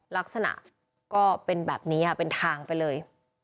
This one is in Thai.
ลักษณะก็เป็นแบบนี้เป็นทางไปเลย